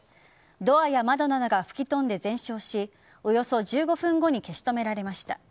ドアや窓などが吹き飛んで全焼しおよそ１５分後に消し止められました。